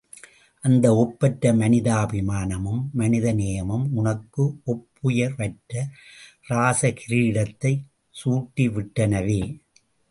அந்த ஒப்பற்ற மனிதாபிமானமும் மனிதநேயமும் உனக்கு ஒப்புயர்வற்ற ராஜகிரீடத்தைச் சூட்டிவிட்டனவே!..